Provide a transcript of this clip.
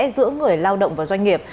giữa người lao động và doanh nghiệp